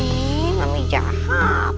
jangan jalan yuk